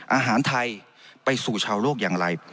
อาหารไทยไปสู่ชาวโลกอย่างไร